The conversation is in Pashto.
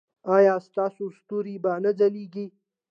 ایا ستاسو ستوري به نه ځلیږي؟